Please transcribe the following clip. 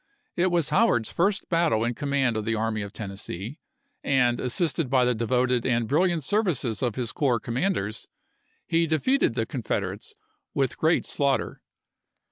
It was Howard's first battle in command of the Army of Tennessee, and, assisted by the devoted and brilliant services of his corps commanders, he defeated the Confederates with great slaughter.